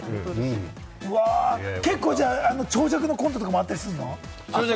結構、長尺のコントとかもあったりするの？